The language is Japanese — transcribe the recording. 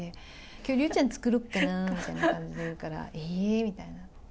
きょう竜ちゃん作ろっかな―みたいな感じで言うから、えーみたいな。